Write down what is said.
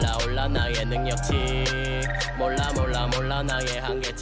เรามาเมื่อไหร่ทำไมเรามาเมื่อไหร่